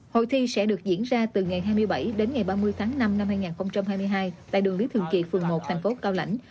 hội thi sẽ được diễn ra từ ngày hai mươi bảy đến ngày ba mươi tháng năm năm hai nghìn hai mươi hai tại đường lý thường kỳ phường một thành phố cao lãnh